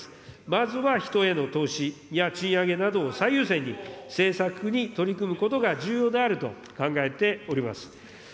まずは人への投資や賃上げなどを最優先に、政策に取り組むことが重要であると考えております。